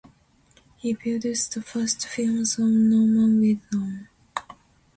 He produced the first films of Norman Wisdom.